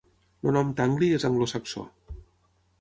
El nom Tangley és anglosaxó.